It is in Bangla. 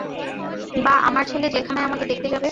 বা আমার ছেলে জেলখানায় আমাকে দেখতে যাবে।